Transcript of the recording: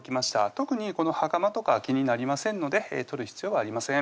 特にこのはかまとかは気になりませんので取る必要はありません